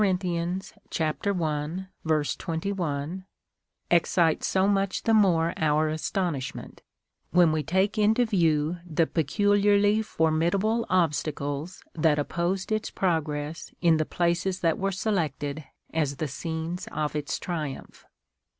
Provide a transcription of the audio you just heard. i. 21,) excite so much the more our astonishment, when we take into view the pecu liarly formidable obstacles that opposed its progress in the places that were selected as the scenes of its triumphs.